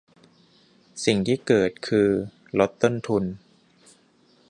สิ่งที่เกิดคือลดต้นทุน